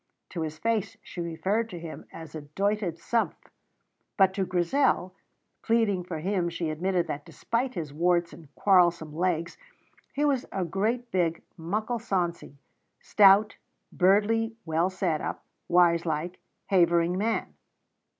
To his face she referred to him as a doited sumph, but to Grizel pleading for him she admitted that despite his warts and quarrelsome legs he was a great big muckle sonsy, stout, buirdly well set up, wise like, havering man.